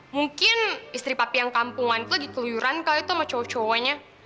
mungkin istri papi yang kampungan tuh lagi keluyuran kali itu sama cowok cowoknya